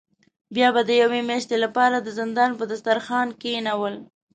بیا به د یوې میاشتې له پاره د زندان په دسترخوان کینول.